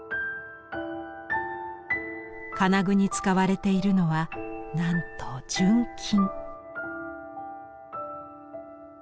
金具に使われているのはなんと純金。